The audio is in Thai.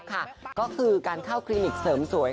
ก็คือการเข้าคลินิกเสริมสวย